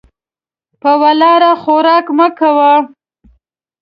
په ولاړه خوراک مه کوه .